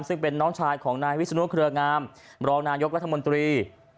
ซึ่งเป็นน้องชายของนายวิศนุเครืองามรองนายกรัฐมนตรี